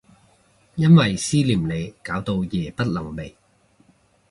因為思念你搞到夜不能寐